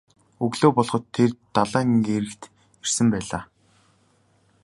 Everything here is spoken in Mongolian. Өглөө болоход тэд далайн эрэгт ирсэн байлаа.